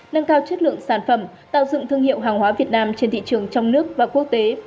nâng cao chất lượng sản phẩm tạo dựng thương hiệu hàng hóa việt nam trên thị trường trong nước và quốc tế